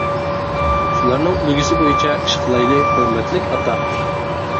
شۇلارنىڭ ئۈلگىسى بويىچە ئىش قىلايلى، ھۆرمەتلىك ئاتا!